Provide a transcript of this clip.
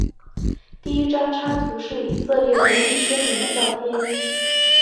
第一张插图是以色列独立宣言的照片。